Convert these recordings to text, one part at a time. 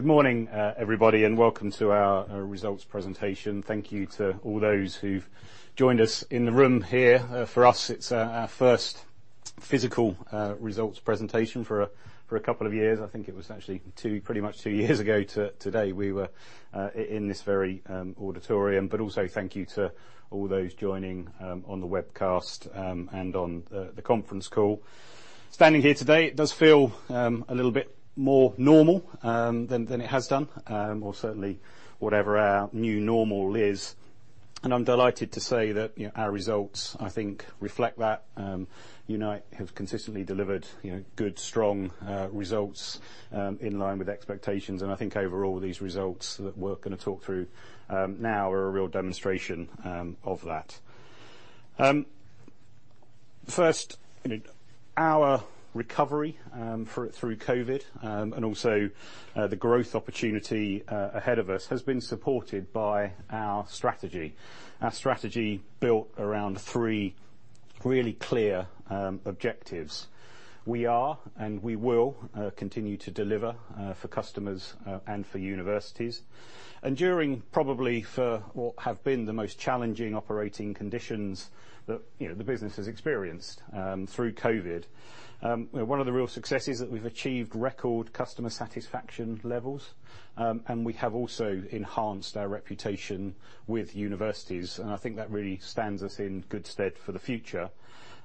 Good morning, everybody, and welcome to our results presentation. Thank you to all those who've joined us in the room here. For us, it's our first physical results presentation for a couple of years. I think it was actually two years ago today we were in this very auditorium. But also thank you to all those joining on the webcast and on the conference call. Standing here today, it does feel a little bit more normal than it has done, or certainly whatever our new normal is. I'm delighted to say that, you know, our results, I think reflect that. Unite have consistently delivered, you know, good, strong results in line with expectations. I think overall, these results that we're gonna talk through now are a real demonstration of that. First, you know, our recovery through COVID and also the growth opportunity ahead of us has been supported by our strategy. Our strategy built around three really clear objectives. We are and we will continue to deliver for customers and for universities. During what have been probably the most challenging operating conditions that, you know, the business has experienced through COVID, one of the real successes that we've achieved, record customer satisfaction levels, and we have also enhanced our reputation with universities. I think that really stands us in good stead for the future.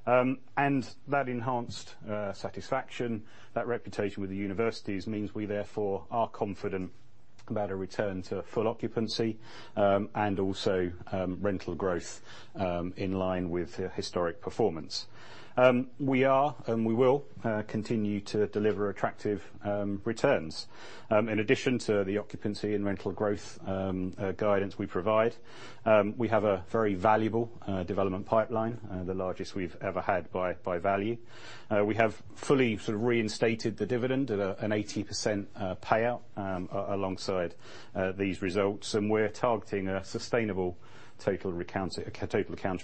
That enhanced satisfaction, that reputation with the universities, means we therefore are confident about a return to full occupancy, and also rental growth in line with the historic performance. We will continue to deliver attractive returns. In addition to the occupancy and rental growth guidance we provide, we have a very valuable development pipeline, the largest we've ever had by value. We have fully sort of reinstated the dividend at an 80% payout alongside these results. We're targeting a sustainable total accounting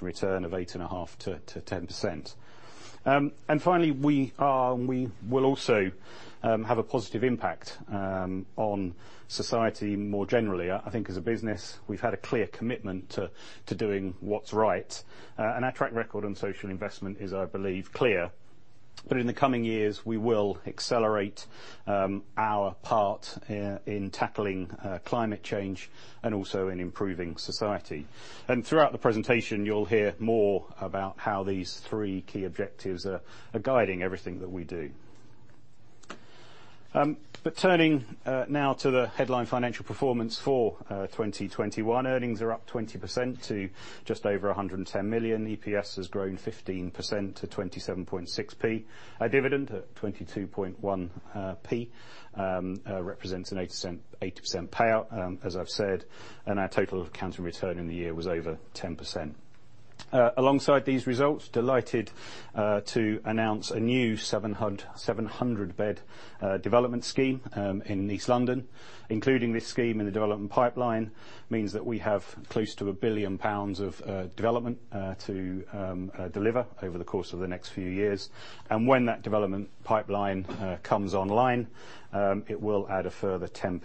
return of 8.5%-10%. Finally, we will also have a positive impact on society more generally. I think as a business, we've had a clear commitment to doing what's right. Our track record on social investment is, I believe, clear. In the coming years, we will accelerate our part in tackling climate change and also in improving society. Throughout the presentation, you'll hear more about how these three key objectives are guiding everything that we do. Turning now to the headline financial performance for 2021. Earnings are up 20% to just over 110 million. EPS has grown 15% to 27.6. Our dividend at 22.1 represents an 80% payout, as I've said, and our total accounting return in the year was over 10%. Alongside these results, delighted to announce a new 700-bed development scheme in East London. Including this scheme in the development pipeline means that we have close to 1 billion pounds of development to deliver over the course of the next few years. When that development pipeline comes online, it will add a further 10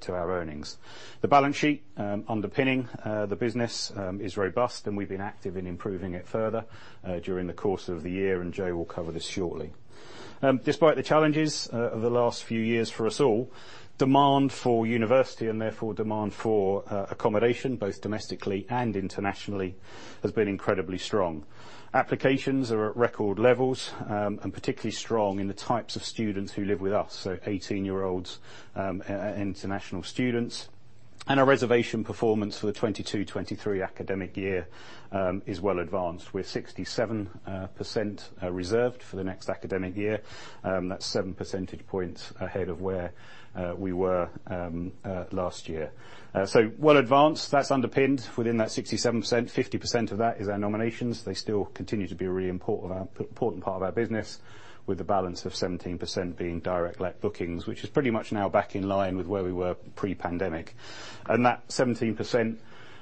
to our earnings. The balance sheet underpinning the business is robust, and we've been active in improving it further during the course of the year, and Joe will cover this shortly. Despite the challenges of the last few years for us all, demand for university and therefore demand for accommodation, both domestically and internationally, has been incredibly strong. Applications are at record levels and particularly strong in the types of students who live with us, so 18-year-olds, international students. Our reservation performance for the 2022-2023 academic year is well advanced. We're 67% reserved for the next academic year. That's 7 percentage points ahead of where we were last year. That's underpinned within that 67%. 50% of that is our nominations. They still continue to be a really important part of our business, with the balance of 17% being direct let bookings, which is pretty much now back in line with where we were pre-pandemic. That 17%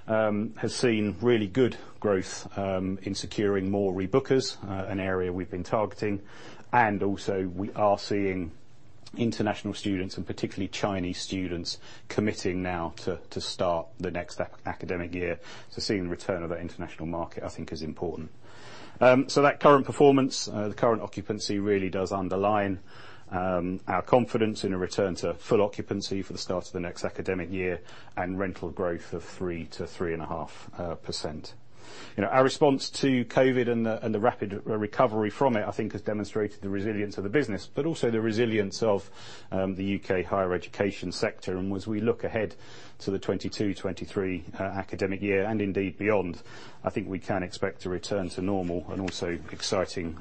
has seen really good growth in securing more rebookers, an area we've been targeting. We are seeing international students, and particularly Chinese students, committing now to start the next academic year. Seeing the return of our international market, I think is important. That current performance, the current occupancy really does underline our confidence in a return to full occupancy for the start of the next academic year and rental growth of 3%-3.5%. You know, our response to COVID and the rapid recovery from it, I think has demonstrated the resilience of the business, but also the resilience of the U.K. higher education sector. As we look ahead to the 2022-2023 academic year and indeed beyond, I think we can expect to return to normal and also exciting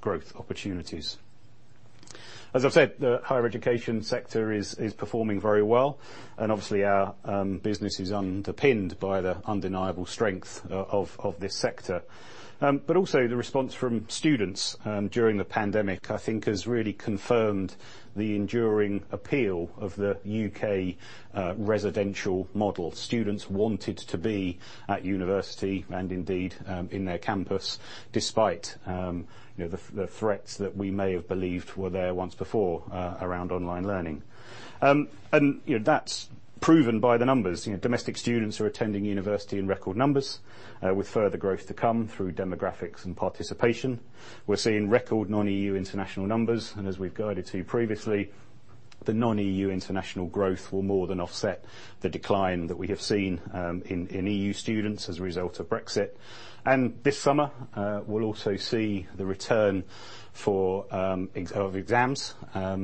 growth opportunities. As I've said, the higher education sector is performing very well and obviously our business is underpinned by the undeniable strength of this sector. Also the response from students during the pandemic, I think has really confirmed the enduring appeal of the U.K. residential model. Students wanted to be at university and indeed in their campus despite you know the threats that we may have believed were there once before around online learning. You know that's proven by the numbers. You know domestic students are attending university in record numbers with further growth to come through demographics and participation. We're seeing record non-E.U. international numbers, and as we've guided to you previously, the non-E.U. international growth will more than offset the decline that we have seen in E.U. students as a result of Brexit. This summer, we'll also see the return of exams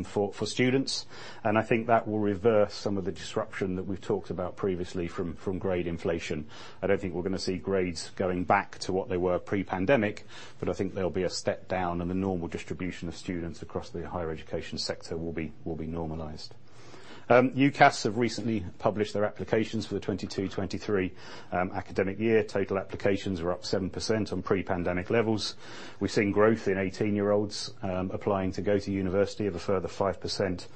for students. I think that will reverse some of the disruption that we've talked about previously from grade inflation. I don't think we're gonna see grades going back to what they were pre-pandemic, but I think there'll be a step down and the normal distribution of students across the higher education sector will be normalized. UCAS have recently published their applications for the 2022-2023 academic year. Total applications are up 7% on pre-pandemic levels. We're seeing growth in 18-year-olds applying to go to university of a further 5%.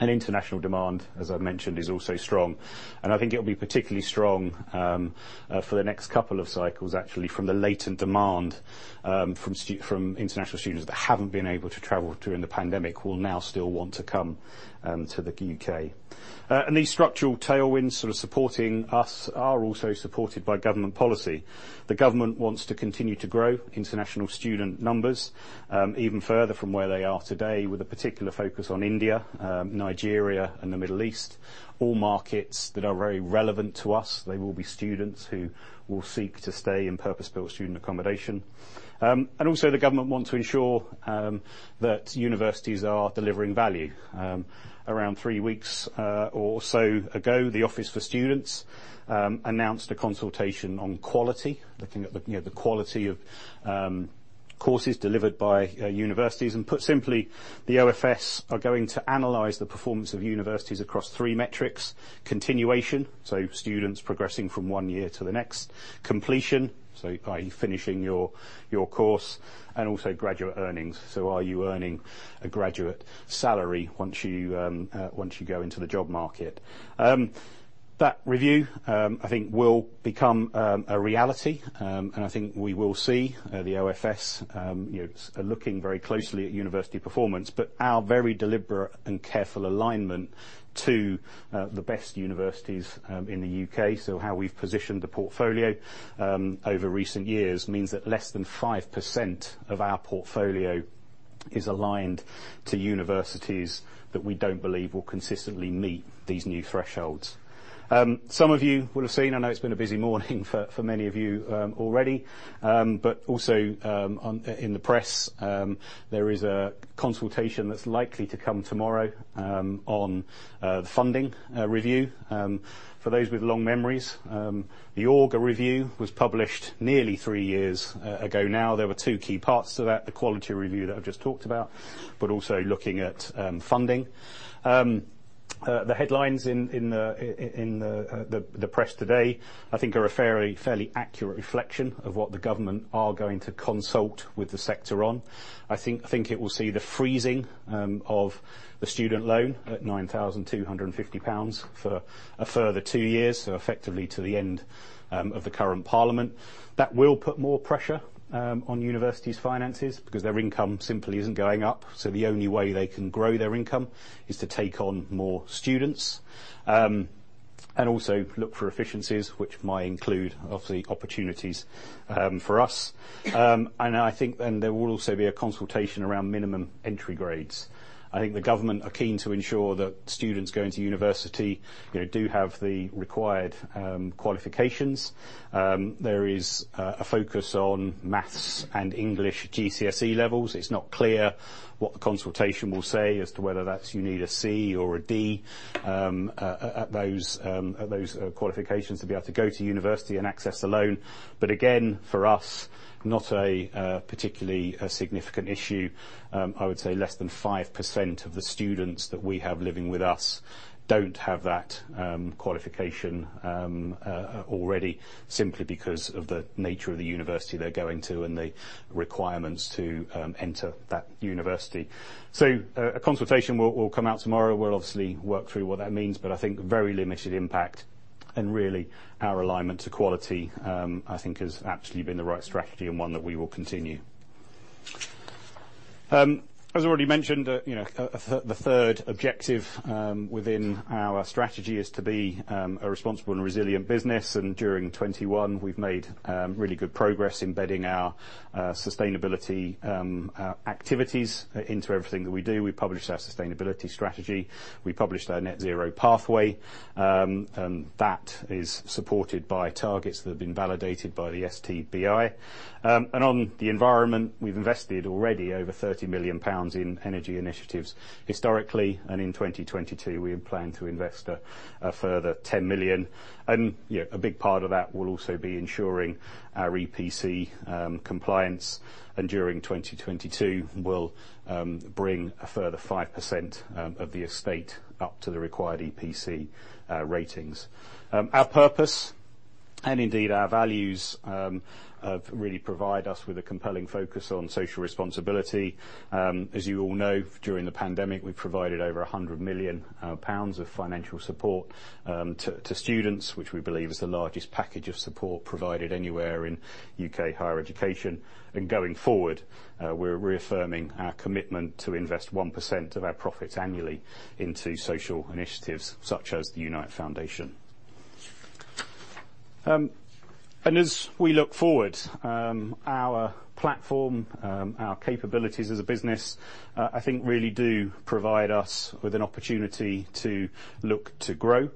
International demand, as I mentioned, is also strong. I think it'll be particularly strong for the next couple of cycles, actually, from the latent demand from international students that haven't been able to travel during the pandemic will now still want to come to the U.K. These structural tailwinds sort of supporting us are also supported by government policy. The government wants to continue to grow international student numbers even further from where they are today, with a particular focus on India, Nigeria and the Middle East, all markets that are very relevant to us. They will be students who will seek to stay in purpose-built student accommodation. The government want to ensure that universities are delivering value. Around three weeks or so ago, the Office for Students announced a consultation on quality, looking at the quality of courses delivered by universities. Put simply, the OfS are going to analyze the performance of universities across three metrics, continuation, so students progressing from one year to the next, completion, so are you finishing your course, and also graduate earnings, so are you earning a graduate salary once you go into the job market. That review, I think will become a reality, and I think we will see the OfS, you know, looking very closely at university performance. Our very deliberate and careful alignment to the best universities in the U.K., so how we've positioned the portfolio over recent years, means that less than 5% of our portfolio is aligned to universities that we don't believe will consistently meet these new thresholds. Some of you will have seen, I know it's been a busy morning for many of you already. Also, in the press, there is a consultation that's likely to come tomorrow on the funding review. For those with long memories, the Augar Review was published nearly three years ago now. There were two key parts to that, the quality review that I've just talked about, but also looking at funding. The headlines in the press today, I think are a fairly accurate reflection of what the government are going to consult with the sector on. I think it will see the freezing of the student loan at 9,250 pounds for a further two years, so effectively to the end of the current parliament. That will put more pressure on universities' finances because their income simply isn't going up. The only way they can grow their income is to take on more students and also look for efficiencies, which might include obviously opportunities for us. I think then there will also be a consultation around minimum entry grades. I think the government are keen to ensure that students going to university, you know, do have the required qualifications. There is a focus on Math and English GCSE levels. It's not clear what the consultation will say as to whether that's you need a C or a D at those qualifications to be able to go to university and access a loan. Again, for us, not a particularly significant issue. I would say less than 5% of the students that we have living with us don't have that qualification already, simply because of the nature of the university they're going to and the requirements to enter that university. A consultation will come out tomorrow. We'll obviously work through what that means, but I think very limited impact. Really our alignment to quality, I think has absolutely been the right strategy and one that we will continue. As already mentioned, you know, the third objective within our strategy is to be a responsible and resilient business. During 2021, we've made really good progress embedding our sustainability activities into everything that we do. We published our sustainability strategy. We published our net zero pathway. That is supported by targets that have been validated by the SBTi. On the environment, we've invested already over 30 million pounds in energy initiatives historically, and in 2022, we plan to invest a further 10 million. You know, a big part of that will also be ensuring our EPC compliance, and during 2022, we'll bring a further 5% of the estate up to the required EPC ratings. Our purpose and indeed our values really provide us with a compelling focus on social responsibility. As you all know, during the pandemic, we provided over 100 million pounds of financial support to students, which we believe is the largest package of support provided anywhere in U.K. higher education. Going forward, we're reaffirming our commitment to invest 1% of our profits annually into social initiatives such as the Unite Foundation. As we look forward, our platform, our capabilities as a business, I think really do provide us with an opportunity to look to grow.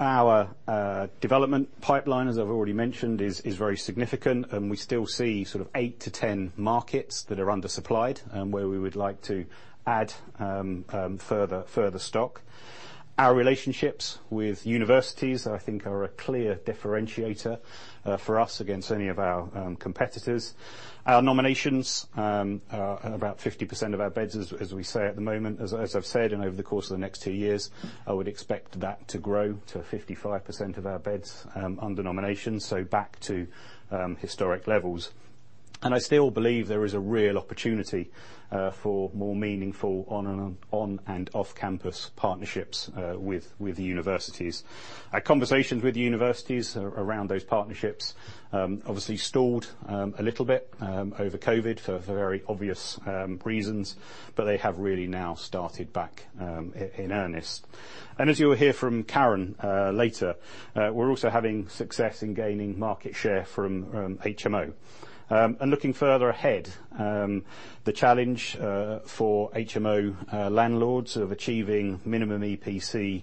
Our development pipeline, as I've already mentioned, is very significant, and we still see sort of eight to 10 markets that are undersupplied and where we would like to add further stock. Our relationships with universities, I think, are a clear differentiator for us against any of our competitors. Our nominations about 50% of our beds, as we say at the moment, as I've said, and over the course of the next two years, I would expect that to grow to 55% of our beds under nomination, so back to historic levels. I still believe there is a real opportunity for more meaningful on and off-campus partnerships with the universities. Our conversations with universities around those partnerships obviously stalled a little bit over COVID for very obvious reasons, but they have really now started back in earnest. As you will hear from Karan later, we're also having success in gaining market share from HMO. Looking further ahead, the challenge for HMO landlords of achieving minimum EPC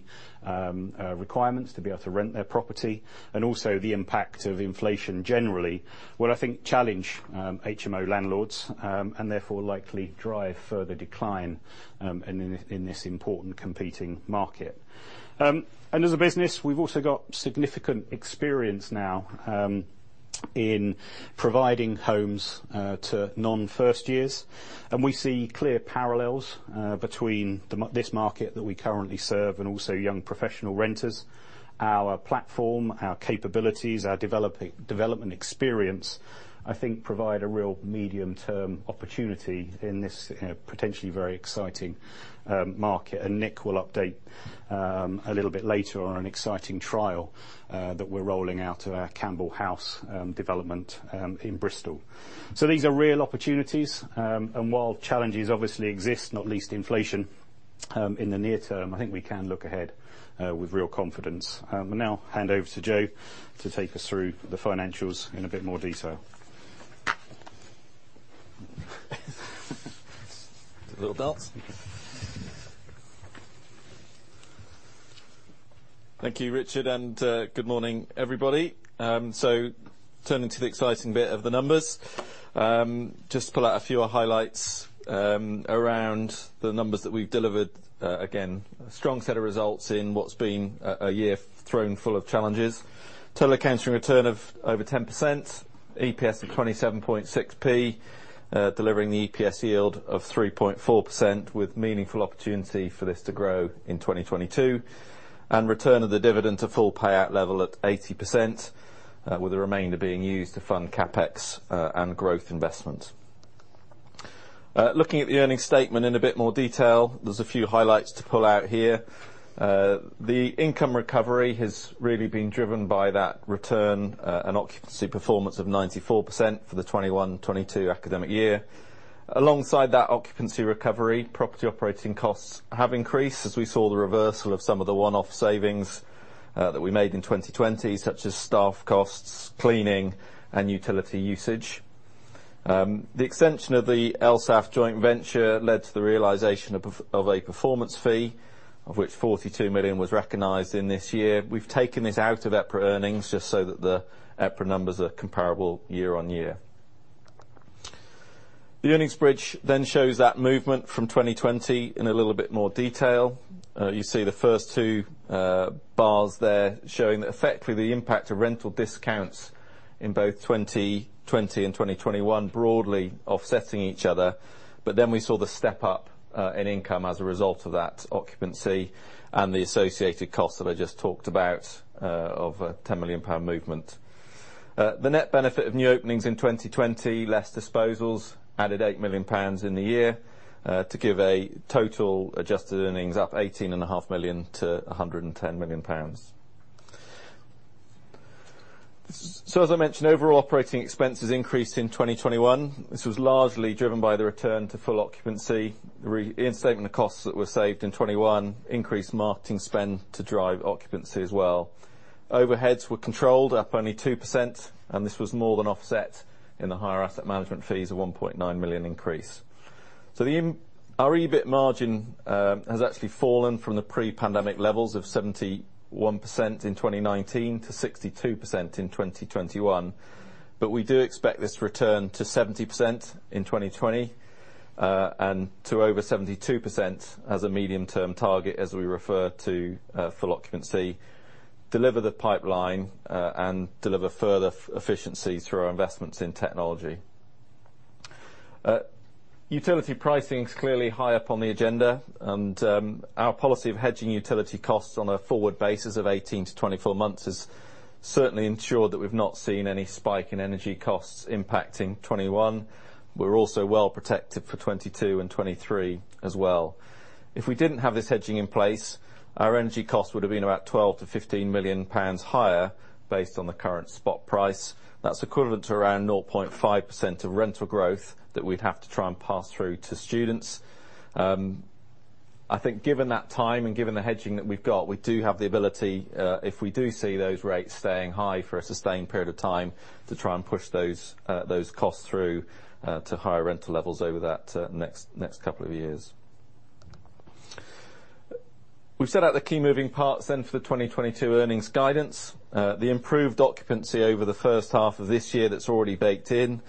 requirements to be able to rent their property and also the impact of inflation generally will, I think, challenge HMO landlords and therefore likely drive further decline in this important competing market. As a business, we've also got significant experience now in providing homes to non-first years. We see clear parallels between this market that we currently serve and also young professional renters. Our platform, our capabilities, our development experience, I think, provide a real medium-term opportunity in this, you know, potentially very exciting, market. Nick will update a little bit later on an exciting trial that we're rolling out at our Campbell House development in Bristol. These are real opportunities. While challenges obviously exist, not least inflation, in the near term, I think we can look ahead with real confidence. I'll now hand over to Joe to take us through the financials in a bit more detail. A little bounce. Thank you, Richard, and good morning, everybody. Turning to the exciting bit of the numbers. Just pull out a few highlights around the numbers that we've delivered. Again, a strong set of results in what's been a year full of challenges. Total accounting return of over 10%. EPS of 27.6, delivering the EPS yield of 3.4% with meaningful opportunity for this to grow in 2022. Return of the dividend to full payout level at 80%, with the remainder being used to fund CapEx and growth investment. Looking at the earnings statement in a bit more detail, there's a few highlights to pull out here. The income recovery has really been driven by that return and occupancy performance of 94% for the 2021-2022 academic year. Alongside that occupancy recovery, property operating costs have increased as we saw the reversal of some of the one-off savings that we made in 2020, such as staff costs, cleaning and utility usage. The extension of the LSAV joint venture led to the realization of a performance fee, of which 42 million was recognized in this year. We've taken this out of EPRA earnings just so that the EPRA numbers are comparable year-on-year. The earnings bridge then shows that movement from 2020 in a little bit more detail. You see the first two bars there showing that effectively the impact of rental discounts in both 2020 and 2021 broadly offsetting each other. We saw the step up in income as a result of that occupancy and the associated costs that I just talked about of a 10 million pound movement. The net benefit of new openings in 2020, less disposals, added 8 million pounds in the year to give a total adjusted earnings up 18.5 million-110 million pounds. As I mentioned, overall operating expenses increased in 2021. This was largely driven by the return to full occupancy, reinstating the costs that were saved in 2021, increased marketing spend to drive occupancy as well. Overheads were controlled, up only 2%, and this was more than offset in the higher asset management fees of 1.9 million increase. Our EBIT margin actually has fallen from the pre-pandemic levels of 71% in 2019 to 62% in 2021. We do expect this to return to 70% in 2020 and to over 72% as a medium-term target as we refer to full occupancy, deliver the pipeline and deliver further efficiencies through our investments in technology. Utility pricing is clearly high up on the agenda, and our policy of hedging utility costs on a forward basis of 18-24 months has certainly ensured that we've not seen any spike in energy costs impacting 2021. We're also well protected for 2022 and 2023 as well. If we didn't have this hedging in place, our energy cost would have been about 12 million-15 million pounds higher based on the current spot price. That's equivalent to around 0.5% of rental growth that we'd have to try and pass through to students. I think given that time and given the hedging that we've got, we do have the ability, if we do see those rates staying high for a sustained period of time, to try and push those costs through to higher rental levels over that next couple of years. We've set out the key moving parts then for the 2022 earnings guidance. The improved occupancy over the first half of this year that's already baked in,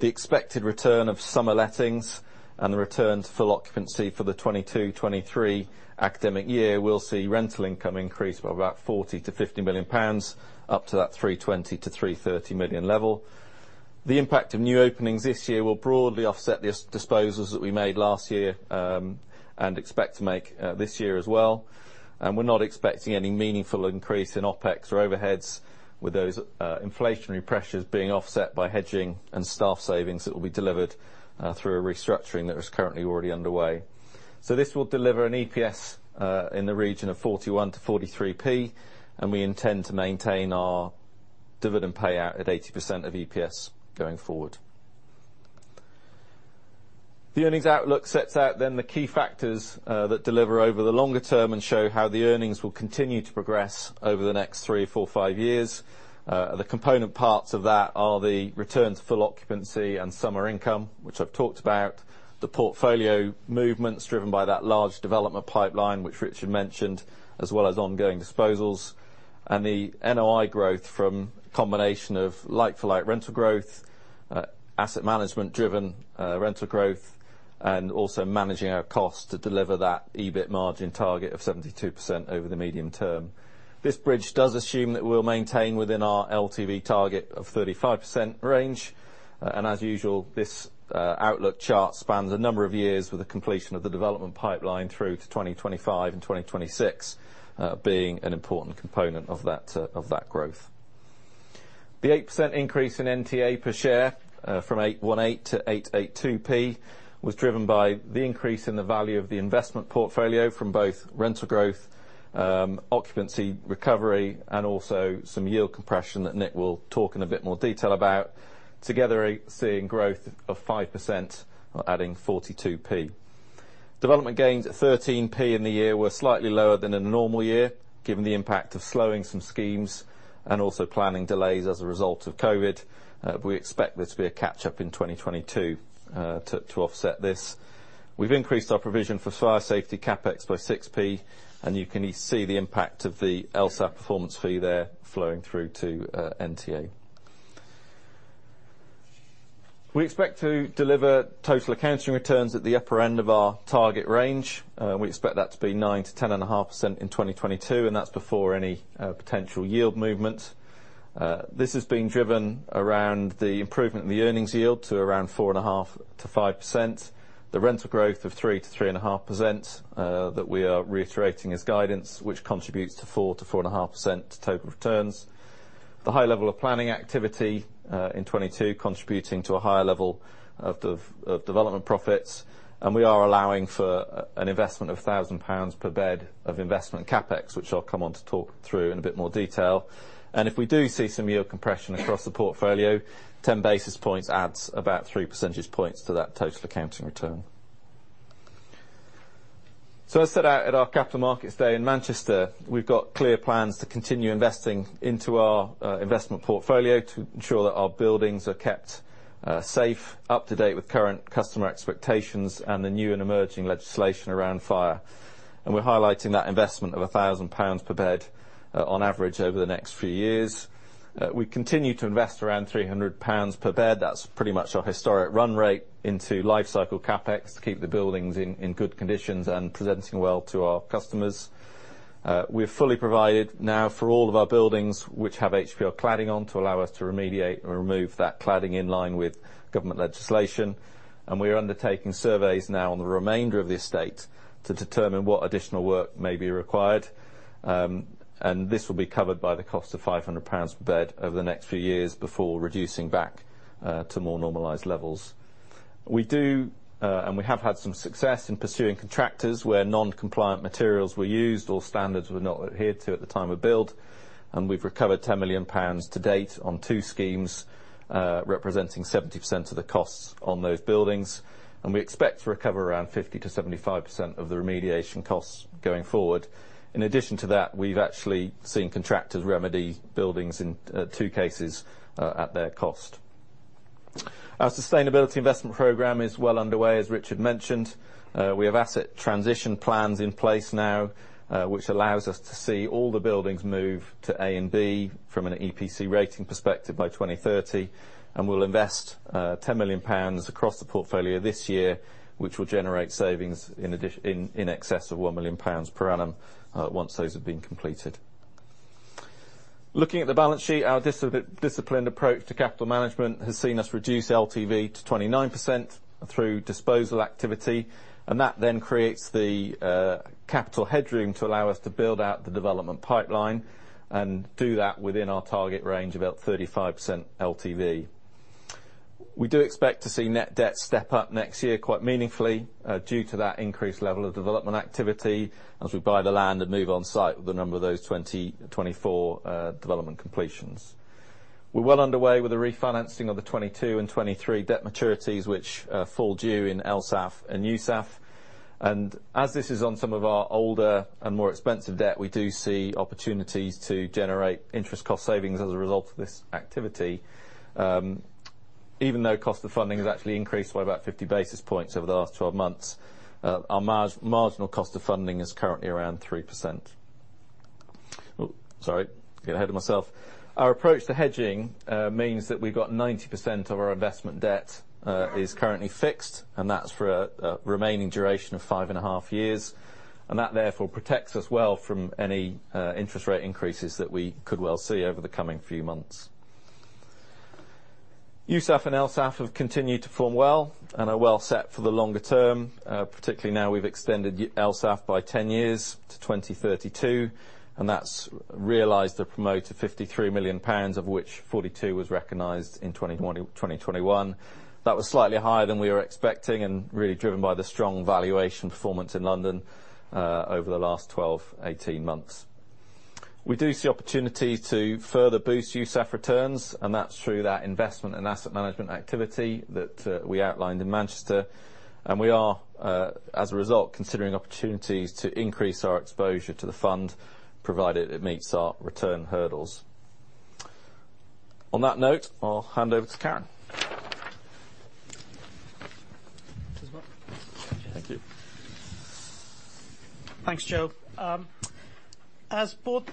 the expected return of summer lettings, and the return to full occupancy for the 2022-2023 academic year will see rental income increase by about 40 million-50 million pounds up to that 320 million-330 million level. The impact of new openings this year will broadly offset the disposals that we made last year and expect to make this year as well. We're not expecting any meaningful increase in OpEx or overheads with those inflationary pressures being offset by hedging and staff savings that will be delivered through a restructuring that is currently already underway. This will deliver an EPS in the region of 41-43, and we intend to maintain our dividend payout at 80% of EPS going forward. The earnings outlook sets out then the key factors that deliver over the longer term and show how the earnings will continue to progress over the next three, four, five years. The component parts of that are the return to full occupancy and summer income, which I've talked about. The portfolio movements driven by that large development pipeline, which Richard mentioned, as well as ongoing disposals. The NOI growth from a combination of like-for-like rental growth, asset management-driven, rental growth, and also managing our costs to deliver that EBIT margin target of 72% over the medium term. This bridge does assume that we'll maintain within our LTV target of 35% range. As usual, this outlook chart spans a number of years with the completion of the development pipeline through to 2025 and 2026, being an important component of that growth. The 8% increase in NTA per share from 818-882 was driven by the increase in the value of the investment portfolio from both rental growth, occupancy recovery, and also some yield compression that Nick will talk in a bit more detail about. Together, seeing growth of 5%, adding 42. Development gains at 13 in the year were slightly lower than in a normal year, given the impact of slowing some schemes and also planning delays as a result of COVID. We expect there to be a catch-up in 2022 to offset this. We've increased our provision for fire safety CapEx by 6, and you can see the impact of the LSAV performance fee there flowing through to NTA. We expect to deliver total accounting returns at the upper end of our target range. We expect that to be 9%-10.5% in 2022, and that's before any potential yield movement. This is being driven around the improvement in the earnings yield to around 4.5%-5%, the rental growth of 3%-3.5% that we are reiterating as guidance, which contributes to 4%-4.5% total returns. The high level of planning activity in 2022 contributing to a higher level of development profits, and we are allowing for an investment of 1,000 pounds per bed of investment CapEx, which I'll come on to talk through in a bit more detail. If we do see some yield compression across the portfolio, 10 basis points adds about 3 percentage points to that total accounting return. As set out at our Capital Markets Day in Manchester, we've got clear plans to continue investing into our investment portfolio to ensure that our buildings are kept safe, up-to-date with current customer expectations and the new and emerging legislation around fire. We're highlighting that investment of 1,000 pounds per bed on average over the next few years. We continue to invest around 300 pounds per bed. That's pretty much our historic run rate into lifecycle CapEx to keep the buildings in good conditions and presenting well to our customers. We've fully provided now for all of our buildings which have HPL cladding on to allow us to remediate or remove that cladding in line with government legislation. We are undertaking surveys now on the remainder of the estate to determine what additional work may be required. This will be covered by the cost of 500 pounds per bed over the next few years before reducing back to more normalized levels. We have had some success in pursuing contractors where non-compliant materials were used or standards were not adhered to at the time of build, and we've recovered 10 million pounds to date on two schemes, representing 70% of the costs on those buildings. We expect to recover around 50%-75% of the remediation costs going forward. In addition to that, we've actually seen contractors remedy buildings in two cases at their cost. Our sustainability investment program is well underway, as Richard mentioned. We have asset transition plans in place now, which allows us to see all the buildings move to A and B from an EPC rating perspective by 2030. We'll invest 10 million pounds across the portfolio this year, which will generate savings in excess of 1 million pounds per annum once those have been completed. Looking at the balance sheet, our disciplined approach to capital management has seen us reduce LTV to 29% through disposal activity, and that then creates the capital headroom to allow us to build out the development pipeline and do that within our target range, about 35% LTV. We do expect to see net debt step up next year quite meaningfully, due to that increased level of development activity as we buy the land and move on site with a number of those 2024 development completions. We're well underway with the refinancing of the 2022 and 2023 debt maturities, which fall due in LSAV and USAF. As this is on some of our older and more expensive debt, we do see opportunities to generate interest cost savings as a result of this activity. Even though cost of funding has actually increased by about 50 basis points over the last 12 months, our marginal cost of funding is currently around 3%. Our approach to hedging means that we've got 90% of our investment debt is currently fixed, and that's for a remaining duration of 5.5 years. That, therefore, protects us well from any interest rate increases that we could well see over the coming few months. USAF and LSAV have continued to form well and are well set for the longer term, particularly now we've extended LSAV by 10 years to 2032, and that's realized a promote fee 53 million pounds of which 42 was recognized in 2020, 2021. That was slightly higher than we were expecting and really driven by the strong valuation performance in London over the last 12, 18 months. We do see opportunity to further boost USAF returns, and that's through that investment and asset management activity that we outlined in Manchester. We are, as a result, considering opportunities to increase our exposure to the fund, provided it meets our return hurdles. On that note, I'll hand over to Karan. This one? Thank you. Thanks, Joe. As both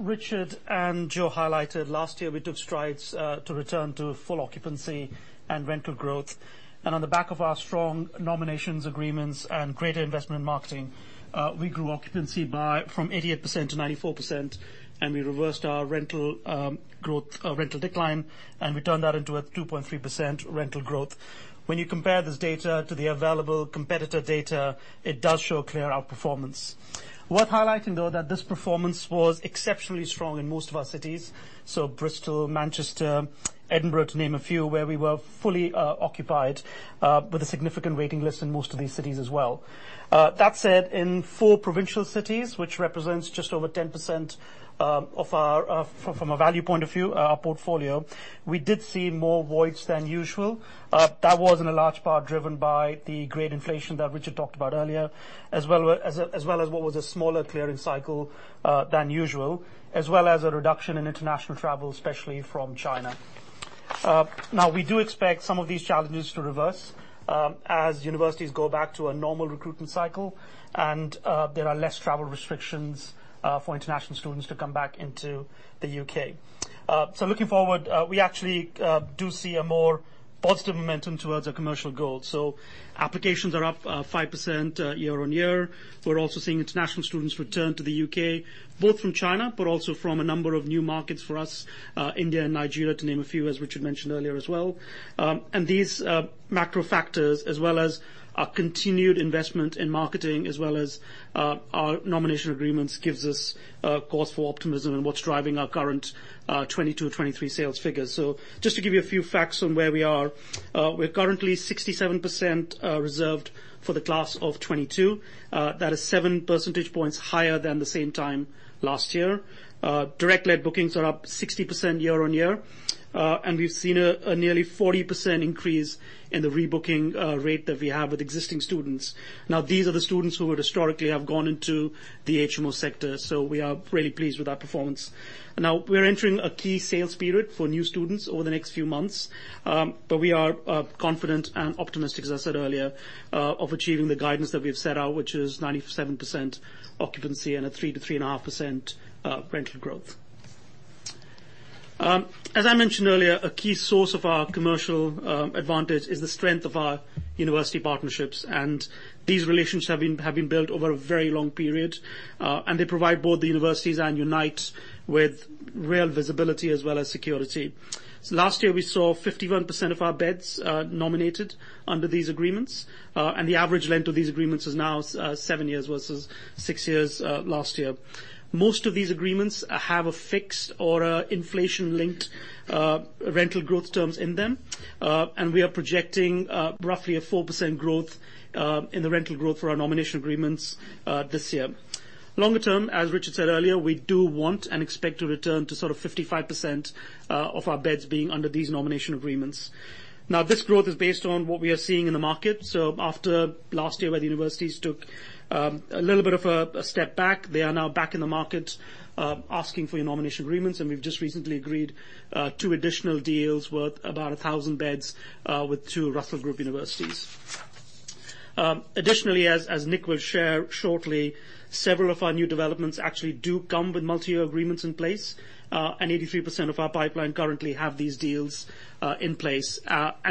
Richard and Joe highlighted, last year, we took strides to return to full occupancy and rental growth. On the back of our strong nominations agreements, and greater investment marketing, we grew occupancy from 88%-94%, and we reversed our rental decline, and we turned that into a 2.3% rental growth. When you compare this data to the available competitor data, it does show clear outperformance. Worth highlighting, though, that this performance was exceptionally strong in most of our cities, so Bristol, Manchester, Edinburgh, to name a few, where we were fully occupied with a significant waiting list in most of these cities as well. That said, in four provincial cities, which represents just over 10% of our portfolio from a value point of view, we did see more voids than usual. That was in a large part driven by the grade inflation that Richard talked about earlier, as well as what was a smaller clearing cycle than usual, as well as a reduction in international travel, especially from China. Now we do expect some of these challenges to reverse, as universities go back to a normal recruitment cycle and there are less travel restrictions for international students to come back into the U.K. Looking forward, we actually do see a more positive momentum towards our commercial goals. Applications are up 5% year-over-year. We're also seeing international students return to the U.K., both from China, but also from a number of new markets for us, India and Nigeria to name a few, as Richard mentioned earlier as well. These macro factors, as well as our continued investment in marketing, as well as our nomination agreements, gives us cause for optimism in what's driving our current 2022-2023 sales figures. Just to give you a few facts on where we are, we're currently 67% reserved for the class of 2022. That is 7 percentage points higher than the same time last year. Direct let bookings are up 60% year-on-year. We've seen a nearly 40% increase in the rebooking rate that we have with existing students. Now, these are the students who would historically have gone into the HMO sector, so we are really pleased with our performance. Now, we're entering a key sales period for new students over the next few months, but we are confident and optimistic, as I said earlier, of achieving the guidance that we have set out, which is 97% occupancy and a 3%-3.5% rental growth. As I mentioned earlier, a key source of our commercial advantage is the strength of our university partnerships, and these relationships have been built over a very long period, and they provide both the universities and Unite with real visibility as well as security. Last year, we saw 51% of our beds nominated under these agreements, and the average length of these agreements is now seven years versus six years last year. Most of these agreements have a fixed or inflation-linked rental growth terms in them, and we are projecting roughly a 4% growth in the rental growth for our nomination agreements this year. Longer term, as Richard said earlier, we do want and expect to return to sort of 55% of our beds being under these nomination agreements. Now, this growth is based on what we are seeing in the market. After last year, where the universities took a little bit of a step back, they are now back in the market asking for our nomination agreements, and we have just recently agreed two additional deals worth about 1,000 beds with two Russell Group universities. Additionally, as Nick will share shortly, several of our new developments actually do come with multi-year agreements in place, and 83% of our pipeline currently have these deals in place.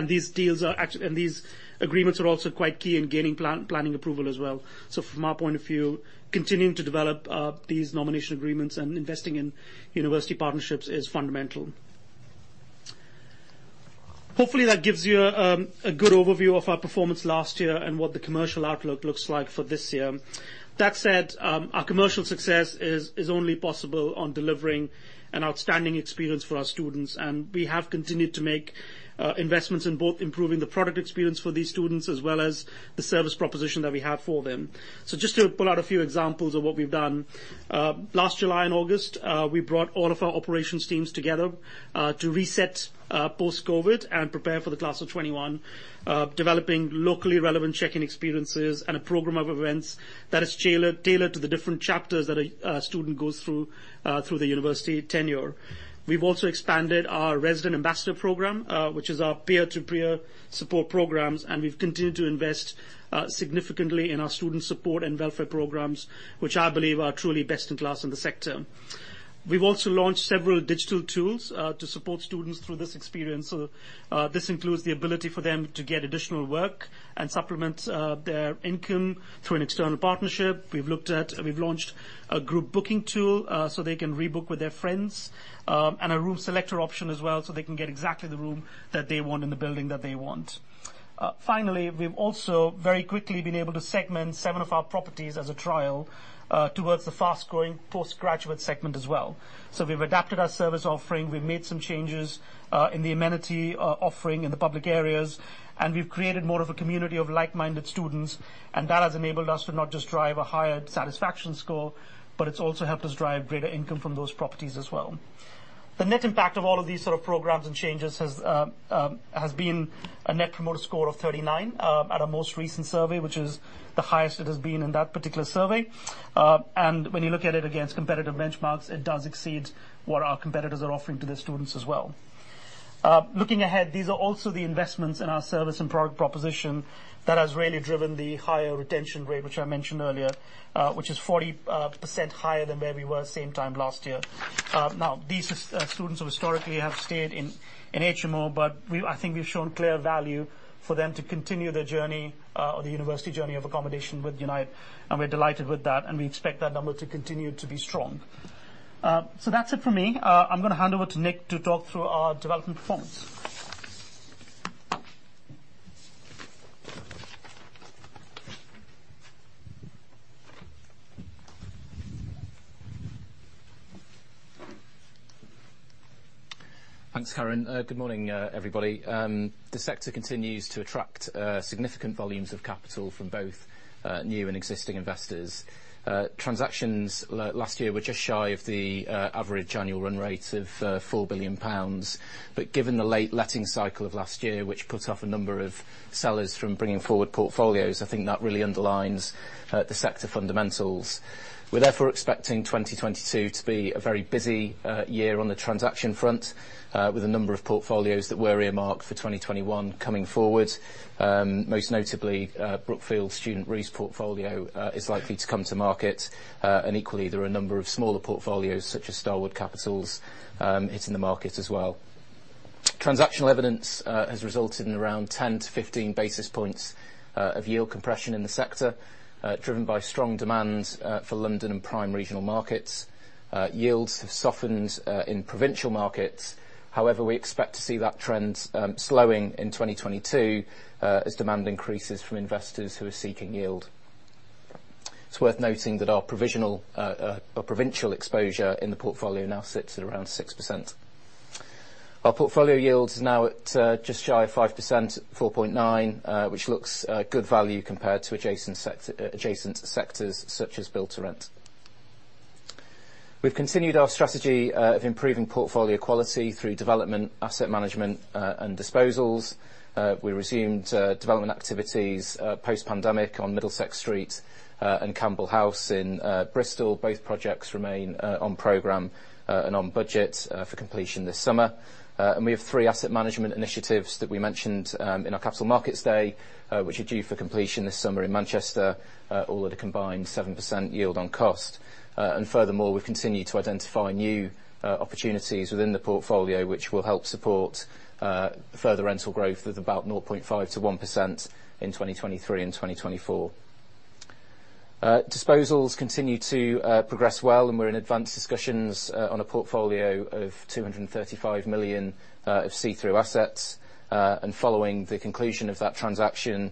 These agreements are also quite key in gaining planning approval as well. From our point of view, continuing to develop these nomination agreements and investing in university partnerships is fundamental. Hopefully that gives you a good overview of our performance last year and what the commercial outlook looks like for this year. That said, our commercial success is only possible on delivering an outstanding experience for our students. We have continued to make investments in both improving the product experience for these students as well as the service proposition that we have for them. Just to pull out a few examples of what we've done. Last July and August, we brought all of our operations teams together to reset post-COVID and prepare for the class of 2021, developing locally relevant check-in experiences and a program of events that is tailored to the different chapters that a student goes through through the university tenure. We've also expanded our resident ambassador program, which is our peer-to-peer support programs, and we've continued to invest significantly in our student support and welfare programs, which I believe are truly best in class in the sector. We've also launched several digital tools to support students through this experience. This includes the ability for them to get additional work and supplement their income through an external partnership. We've launched a group booking tool so they can rebook with their friends, and a room selector option as well, so they can get exactly the room that they want and the building that they want. Finally, we've also very quickly been able to segment seven of our properties as a trial towards the fast-growing postgraduate segment as well. We've adapted our service offering. We've made some changes in the amenity offering in the public areas, and we've created more of a community of like-minded students, and that has enabled us to not just drive a higher satisfaction score, but it's also helped us drive greater income from those properties as well. The net impact of all of these sort of programs and changes has been a Net Promoter Score of 39 at our most recent survey, which is the highest it has been in that particular survey. When you look at it against competitive benchmarks, it does exceed what our competitors are offering to their students as well. Looking ahead, these are also the investments in our service and product proposition that has really driven the higher retention rate, which I mentioned earlier, which is 40% higher than where we were same time last year. Now, these students who historically have stayed in HMO, but I think we've shown clear value for them to continue their journey, or the university journey of accommodation with Unite, and we're delighted with that, and we expect that number to continue to be strong. That's it for me. I'm gonna hand over to Nick to talk through our development performance. Thanks, Karan. Good morning, everybody. The sector continues to attract significant volumes of capital from both new and existing investors. Transactions last year were just shy of the average annual run rate of 4 billion pounds. Given the late letting cycle of last year, which put off a number of sellers from bringing forward portfolios, I think that really underlines the sector fundamentals. We're therefore expecting 2022 to be a very busy year on the transaction front with a number of portfolios that were earmarked for 2021 coming forward. Most notably, Brookfield Student REIT's portfolio is likely to come to market. Equally, there are a number of smaller portfolios, such as Starwood Capital Group's, hitting the market as well. Transactional evidence has resulted in around 10 basis points-15 basis points of yield compression in the sector, driven by strong demand for London and prime regional markets. Yields have softened in provincial markets. However, we expect to see that trend slowing in 2022 as demand increases from investors who are seeking yield. It's worth noting that our provincial exposure in the portfolio now sits at around 6%. Our portfolio yield is now at just shy of 5%, 4.9%, which looks good value compared to adjacent sectors such as build to rent. We've continued our strategy of improving portfolio quality through development, asset management, and disposals. We resumed development activities post-pandemic on Middlesex Street and Campbell House in Bristol. Both projects remain on program and on budget for completion this summer. We have three asset management initiatives that we mentioned in our Capital Markets Day, which are due for completion this summer in Manchester, all at a combined 7% yield on cost. Furthermore, we've continued to identify new opportunities within the portfolio, which will help support further rental growth of about 0.5%-1% in 2023 and 2024. Disposals continue to progress well, and we're in advanced discussions on a portfolio of 235 million of see-through assets. Following the conclusion of that transaction,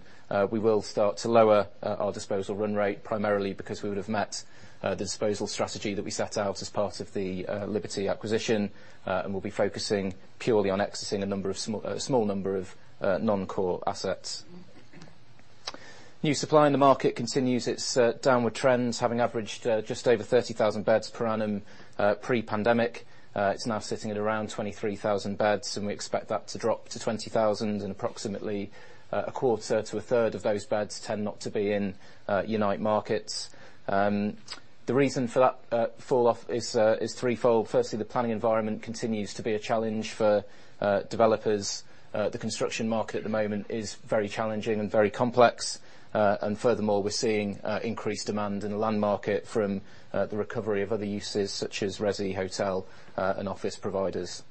we will start to lower our disposal run rate primarily because we would have met the disposal strategy that we set out as part of the Liberty acquisition, and we'll be focusing purely on exiting a small number of non-core assets. New supply in the market continues its downward trends, having averaged just over 30,000 beds per annum pre-pandemic. It's now sitting at around 23,000 beds, and we expect that to drop to 20,000, and approximately 1/4 to 1/3 of those beds tend not to be in Unite markets. The reason for that falloff is threefold. Firstly, the planning environment continues to be a challenge for developers. The construction market at the moment is very challenging and very complex. We're seeing increased demand in the land market from the recovery of other uses, such as resi, hotel, and office providers.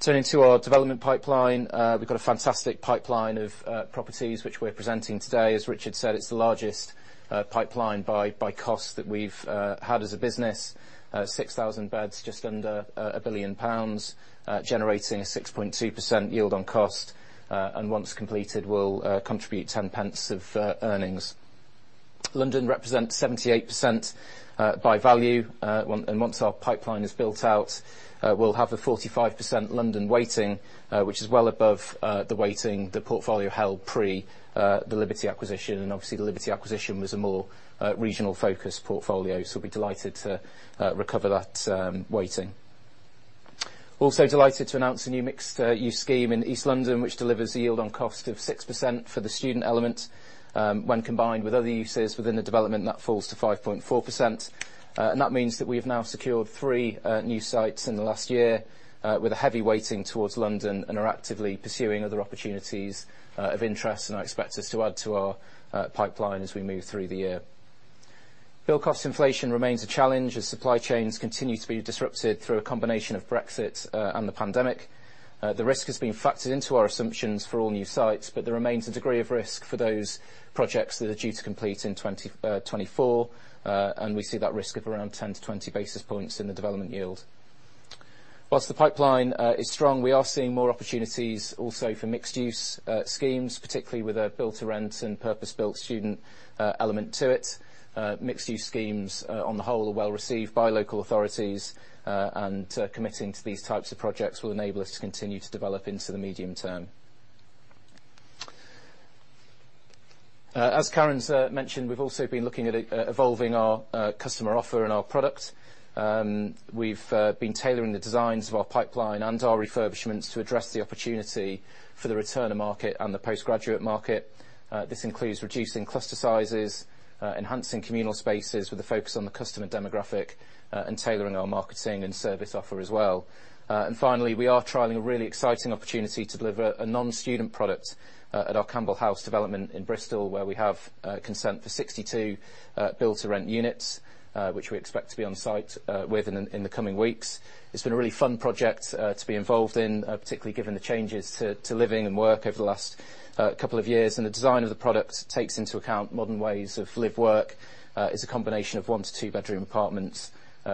Turning to our development pipeline, we've got a fantastic pipeline of properties which we're presenting today. As Richard said, it's the largest pipeline by cost that we've had as a business. 6,000 beds, just under 1 billion pounds, generating a 6.2% yield on cost. Once completed, it will contribute 10 of earnings. London represents 78% by value. Once our pipeline is built out, we'll have a 45% London weighting, which is well above the weighting the portfolio held pre the Liberty acquisition. Obviously, the Liberty acquisition was a more regional-focused portfolio. We'll be delighted to recover that weighting. Also delighted to announce a new mixed use scheme in East London, which delivers a yield on cost of 6% for the student element. When combined with other uses within the development, that falls to 5.4%. That means that we have now secured three new sites in the last year with a heavy weighting towards London, and are actively pursuing other opportunities of interest. I expect us to add to our pipeline as we move through the year. Build cost inflation remains a challenge as supply chains continue to be disrupted through a combination of Brexit and the pandemic. The risk has been factored into our assumptions for all new sites, but there remains a degree of risk for those projects that are due to complete in 2024. We see that risk of around 10 basis points-20 basis points in the development yield. While the pipeline is strong, we are seeing more opportunities also for mixed-use schemes, particularly with a build-to-rent and purpose-built student element to it. Mixed-use schemes on the whole are well-received by local authorities. Committing to these types of projects will enable us to continue to develop into the medium term. As Karan's mentioned, we've also been looking at re-evolving our customer offer and our product. We've been tailoring the designs of our pipeline and our refurbishments to address the opportunity for the return-to-market and the postgraduate market. This includes reducing cluster sizes, enhancing communal spaces with a focus on the customer demographic, and tailoring our marketing and service offer as well. Finally, we are trialing a really exciting opportunity to deliver a non-student product at our Campbell House development in Bristol, where we have consent for 62 build-to-rent units, which we expect to be on site within the coming weeks. It's been a really fun project to be involved in, particularly given the changes to living and work over the last couple of years. The design of the product takes into account modern ways of live/work. It's a combination of one-to-two-bedroom apartments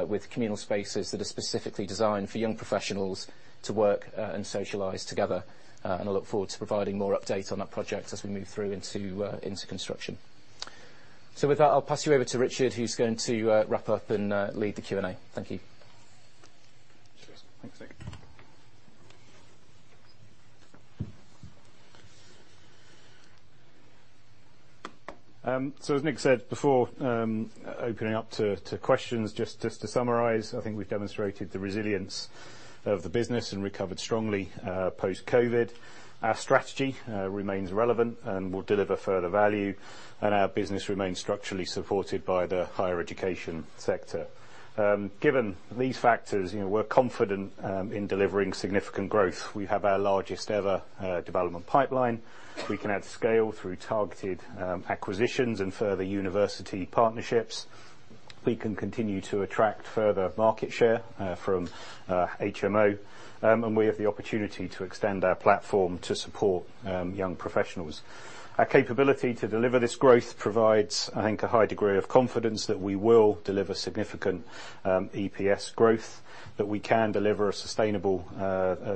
with communal spaces that are specifically designed for young professionals to work and socialize together. I look forward to providing more updates on that project as we move through into construction. With that, I'll pass you over to Richard, who's going to wrap up and lead the Q&A. Thank you. Cheers. Thanks, Nick. As Nick said before, opening up to questions, just to summarize, I think we've demonstrated the resilience of the business and recovered strongly post-COVID. Our strategy remains relevant and will deliver further value, and our business remains structurally supported by the higher education sector. Given these factors, you know, we're confident in delivering significant growth. We have our largest ever development pipeline. We can add scale through targeted acquisitions and further university partnerships. We can continue to attract further market share from HMO. We have the opportunity to extend our platform to support young professionals. Our capability to deliver this growth provides, I think, a high degree of confidence that we will deliver significant EPS growth. That we can deliver a sustainable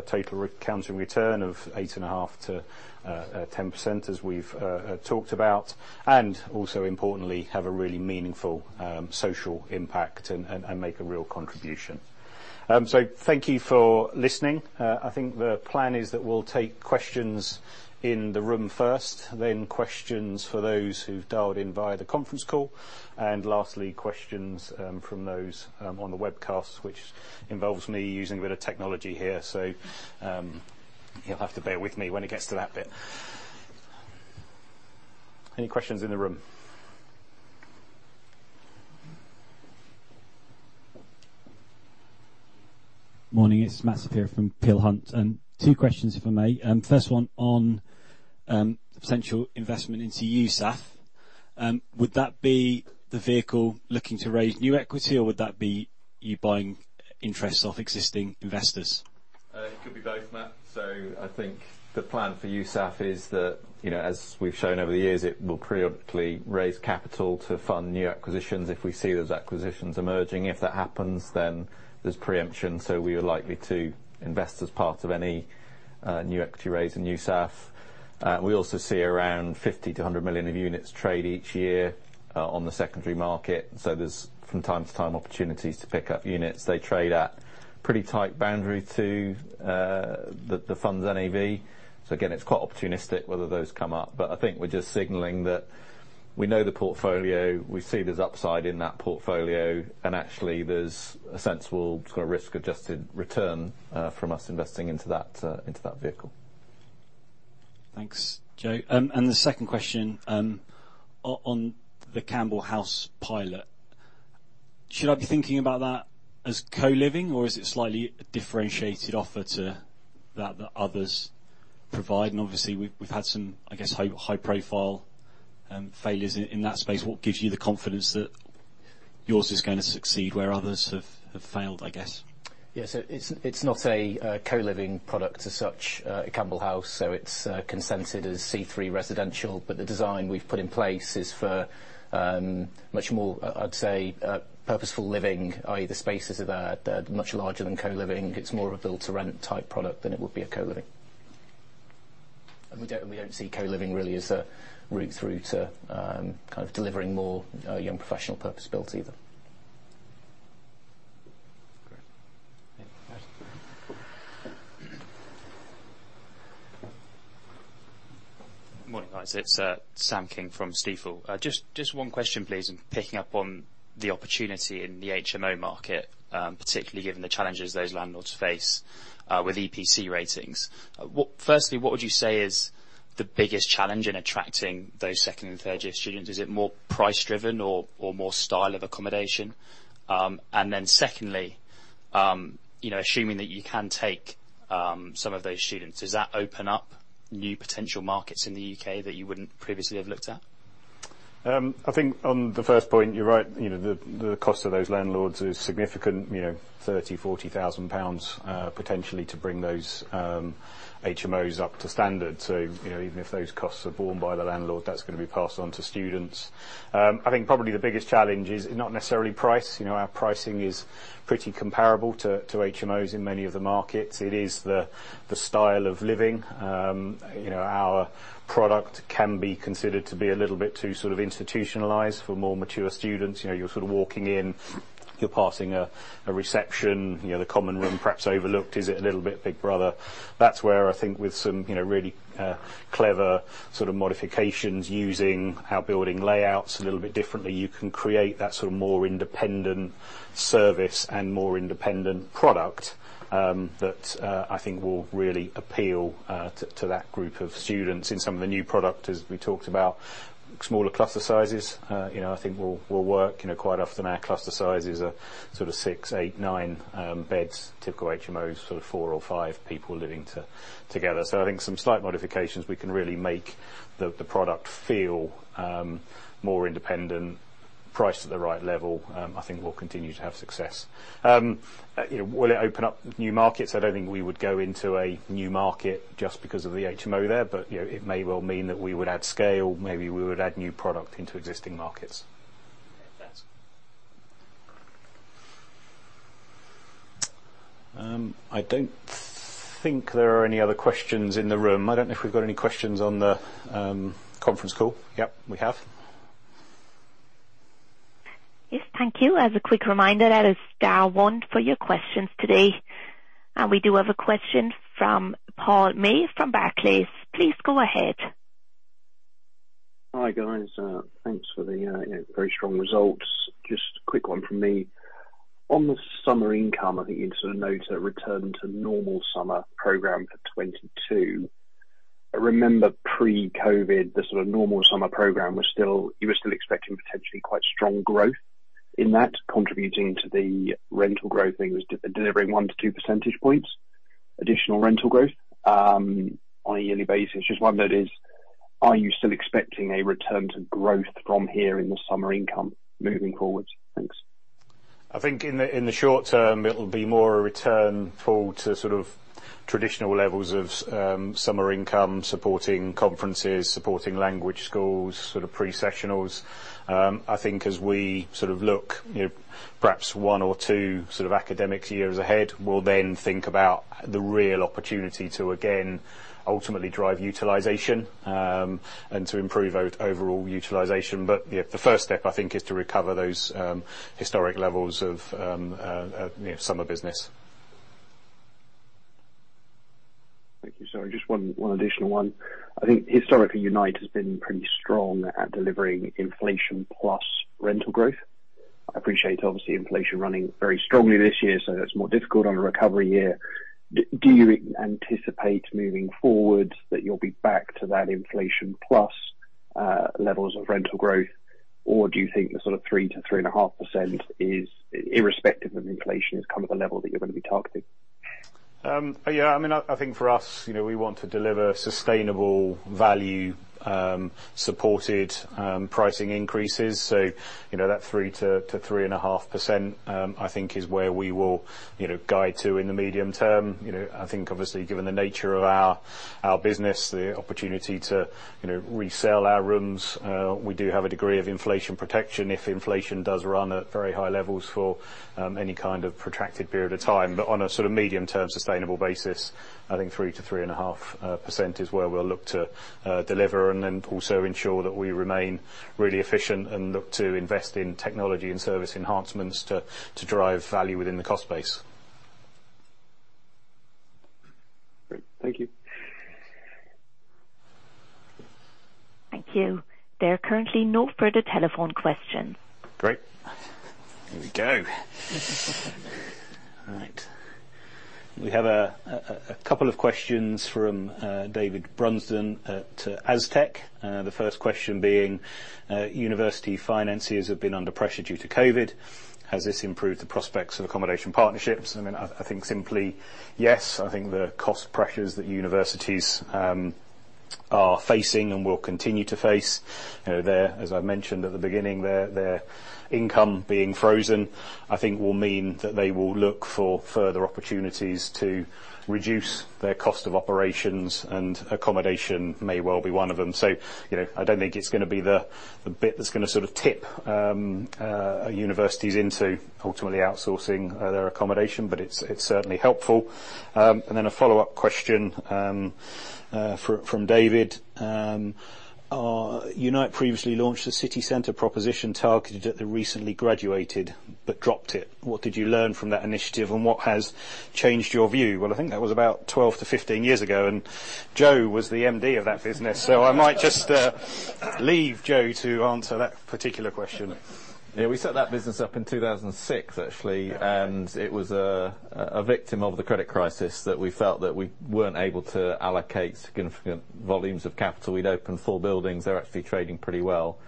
total accounting return of 8.5%-10%, as we've talked about. Also importantly, have a really meaningful social impact and make a real contribution. Thank you for listening. I think the plan is that we'll take questions in the room first, then questions for those who've dialed in via the conference call. Lastly, questions from those on the webcast, which involves me using a bit of technology here. You'll have to bear with me when it gets to that bit. Any questions in the room? Morning, it's Matt Saperia from Peel Hunt. Two questions, if I may. First one on the potential investment into USAF. Would that be the vehicle looking to raise new equity, or would that be you buying interests off existing investors? It could be both, Matt. I think the plan for USAF is that, you know, as we've shown over the years, it will periodically raise capital to fund new acquisitions if we see those acquisitions emerging. If that happens, then there's preemption, so we are likely to invest as part of any new equity raise in USAF. We also see around 50 million-100 million units trade each year on the secondary market. There's from time to time opportunities to pick up units. They trade at pretty tight boundary to the fund's NAV. Again, it's quite opportunistic whether those come up. I think we're just signaling that we know the portfolio, we see there's upside in that portfolio, and actually, there's a sensible sort of risk-adjusted return from us investing into that vehicle. Thanks, Joe. The second question, on the Campbell House pilot. Should I be thinking about that as co-living, or is it a slightly differentiated offer to that that others provide? Obviously we've had some, I guess, high-profile failures in that space. What gives you the confidence that yours is gonna succeed where others have failed, I guess? Yes. It's not a co-living product as such at Campbell House. It's consented as C3 residential, but the design we've put in place is for much more, I'd say, purposeful living. i.e. the spaces are much larger than co-living. It's more of a build-to-rent type product than it would be a co-living. We don't see co-living really as a route through to kind of delivering more young professional purpose-built either. Great. Thank you. Yeah. Good morning, guys. It's Sam King from Stifel. Just one question, please, and picking up on the opportunity in the HMO market, particularly given the challenges those landlords face with EPC ratings. Firstly, what would you say is the biggest challenge in attracting those second and third year students? Is it more price driven or more style of accommodation? And then secondly, you know, assuming that you can take some of those students, does that open up new potential markets in the U.K. that you wouldn't previously have looked at? I think on the first point, you're right. You know, the cost of those landlords is significant, you know, 30,000-40,000 pounds potentially to bring those HMOs up to standard. You know, even if those costs are borne by the landlord, that's gonna be passed on to students. I think probably the biggest challenge is not necessarily price. You know, our pricing is pretty comparable to HMOs in many of the markets. It is the style of living. You know, our product can be considered to be a little bit too sort of institutionalized for more mature students. You know, you're sort of walking in, you're passing a reception, you know, the common room perhaps overlooked. Is it a little bit big brother? That's where I think with some, you know, really clever sort of modifications, using our building layouts a little bit differently, you can create that sort of more independent service and more independent product, that I think will really appeal to that group of students. In some of the new product, as we talked about, smaller cluster sizes, you know, I think will work. You know, quite often our cluster sizes are sort of six, eight, nine beds. Typical HMO is sort of four or five people living together. I think some slight modifications, we can really make the product feel more independent. Priced at the right level, I think we'll continue to have success. You know, will it open up new markets? I don't think we would go into a new market just because of the HMO there, but, you know, it may well mean that we would add scale. Maybe we would add new product into existing markets. Yeah. Thanks. I don't think there are any other questions in the room. I don't know if we've got any questions on the conference call. Yep, we have. Yes, thank you. As a quick reminder, that is star one for your questions today. We do have a question from Paul May from Barclays. Please go ahead. Hi, guys. Thanks for the, you know, very strong results. Just a quick one from me. On the summer income, I think you sort of noted a return to normal summer program for 2022. I remember pre-COVID, the sort of normal summer program. You were still expecting potentially quite strong growth in that, contributing to the rental growth. I think it was delivering 1 percentage points-2 percentage points additional rental growth on a yearly basis. Just wondered, are you still expecting a return to growth from here in the summer income moving forward? Thanks. I think in the short term, it'll be more a return to sort of traditional levels of summer income, supporting conferences, supporting language schools, sort of pre-sessionals. I think as we sort of look, you know, perhaps one or two sort of academic years ahead, we'll then think about the real opportunity to again ultimately drive utilization and to improve overall utilization. Yeah, the first step, I think, is to recover those historic levels of, you know, summer business. Thank you. Sorry, just one additional one. I think historically, Unite has been pretty strong at delivering inflation plus rental growth. I appreciate obviously inflation running very strongly this year, so it's more difficult on a recovery year. Do you anticipate moving forward that you'll be back to that inflation plus levels of rental growth, or do you think the sort of 3%-3.5% is, irrespective of inflation, is kind of the level that you're gonna be targeting? Yeah, I mean, I think for us, you know, we want to deliver sustainable value supported pricing increases. That 3%-3.5%, I think is where we will, you know, guide to in the medium term. You know, I think obviously given the nature of our business, the opportunity to, you know, resell our rooms, we do have a degree of inflation protection if inflation does run at very high levels for any kind of protracted period of time. On a sort of medium term sustainable basis, I think 3%-3.5% is where we'll look to deliver and then also ensure that we remain really efficient and look to invest in technology and service enhancements to drive value within the cost base. Great. Thank you. Thank you. There are currently no further telephone questions. Great. Here we go. All right. We have a couple of questions from David Brunsdon at Aztec. The first question being university finances have been under pressure due to COVID. Has this improved the prospects of accommodation partnerships? I mean, I think simply, yes. I think the cost pressures that universities are facing and will continue to face. You know, their as I mentioned at the beginning, their income being frozen, I think will mean that they will look for further opportunities to reduce their cost of operations, and accommodation may well be one of them. You know, I don't think it's gonna be the bit that's gonna sort of tip universities into ultimately outsourcing their accommodation, but it's certainly helpful. And then a follow-up question from David. Unite previously launched a city center proposition targeted at the recently graduated but dropped it. What did you learn from that initiative, and what has changed your view? Well, I think that was about 12-15 years ago, and Joe was the MD of that business. I might just leave Joe to answer that particular question. Yeah, we set that business up in 2006 actually, and it was a victim of the credit crisis that we felt that we weren't able to allocate significant volumes of capital. We'd opened four buildings. They were actually trading pretty well.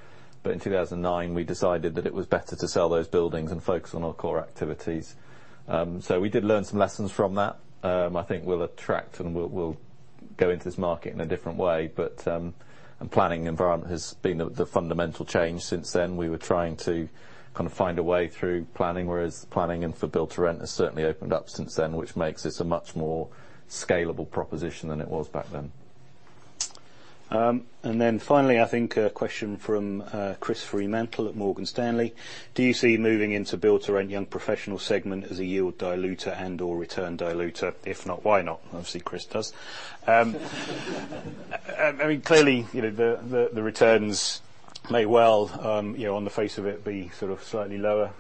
In 2009, we decided that it was better to sell those buildings and focus on our core activities. We did learn some lessons from that. I think we'll attract and we'll go into this market in a different way, but the planning environment has been the fundamental change since then. We were trying to kind of find a way through planning, whereas the planning for build-to-rent has certainly opened up since then, which makes this a much more scalable proposition than it was back then. Finally, I think a question from Chris Fremantle at Morgan Stanley. Do you see moving into build-to-rent young professional segment as a yield diluter and/or return diluter? If not, why not? Obviously, Chris does. I mean, clearly, you know, the returns may well, you know, on the face of it, be sort of slightly lower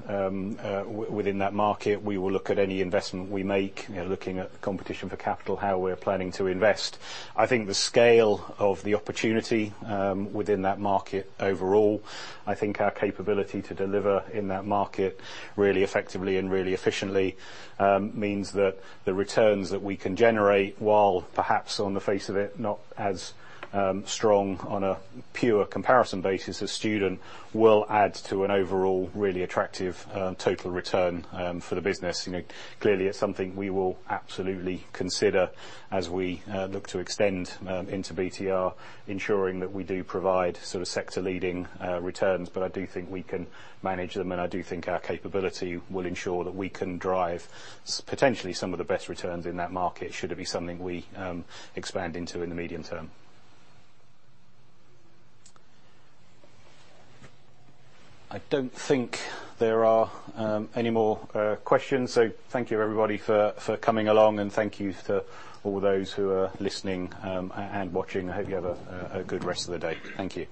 within that market. We will look at any investment we make, you know, looking at competition for capital, how we're planning to invest. I think the scale of the opportunity, within that market overall, I think our capability to deliver in that market really effectively and really efficiently, means that the returns that we can generate, while perhaps on the face of it, not as strong on a pure comparison basis as student will add to an overall really attractive, total return, for the business. You know, clearly it's something we will absolutely consider as we look to extend into BTR, ensuring that we do provide sort of sector-leading returns. I do think we can manage them, and I do think our capability will ensure that we can drive potentially some of the best returns in that market, should it be something we expand into in the medium term. I don't think there are any more questions, so thank you everybody for coming along, and thank you to all those who are listening, and watching. I hope you have a good rest of the day. Thank you.